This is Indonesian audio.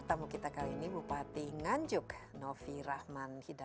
kamu kita kali ini bupati nganjuk novi rahman hidayat yang selalu bersama times gardenal